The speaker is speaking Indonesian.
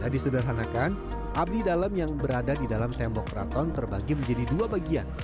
tidak disederhanakan abdi dalam yang berada di dalam tembok keraton terbagi menjadi dua bagian